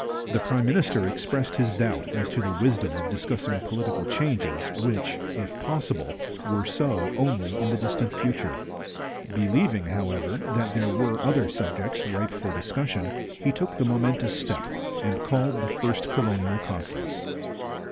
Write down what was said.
The prime minister expressed his doubt as to the wisdom of discussing political changes which, if possible, were so only in the distant future. Believing, however, that there were other subjects ripe for discussion, he took the momentous step, and called the first Colonial Conference.